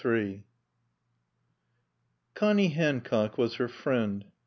III Connie Hancock was her friend.